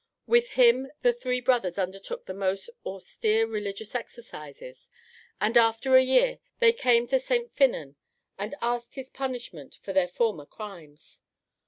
With him the three brothers undertook the most austere religious exercises, and after a year they came to St. Finnen and asked his punishment for their former crimes.